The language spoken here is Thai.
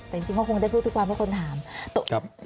แต่จริงก็คงได้พูดทุกวันเพราะคนถาม